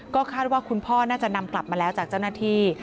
ก็คาดว่าคุณพ่อน่าจะนำกลับมาแล้วจากเจ้าหน้าที่